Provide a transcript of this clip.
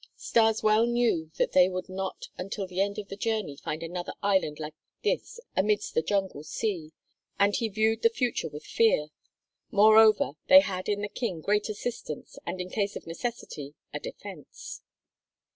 Stas well knew that they would not until the end of the journey find another island like this amidst the jungle sea. And he viewed the future with fear; moreover, they had in the King great assistance and in case of necessity a defense.